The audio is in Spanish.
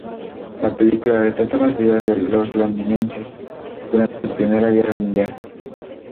La película retrata las vidas de los londinenses durante la Primera Guerra Mundial.